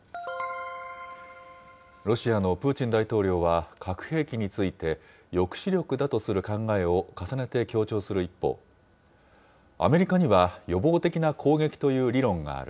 ロシアのプーチン大統領は核兵器について、抑止力だとする考えを重ねて強調する一方、アメリカには、予防的な攻撃という理論がある。